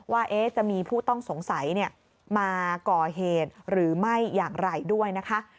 ว่าจะมีผู้ต้องสงสัยมาก่อเหตุหรือไม่อย่างไรด้วยนะคะ